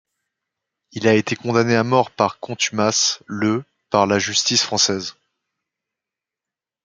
Il a été condamné à mort par contumace le par la justice française.